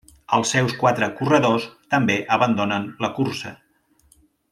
Els seus quatre corredors també abandonen la cursa.